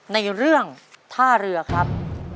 ในเรื่องท่าเรือครับ